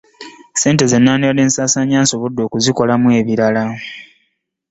Ssente zenandibadde nsaasaanya kubakozi nsobodde okuzikolamu ebirala.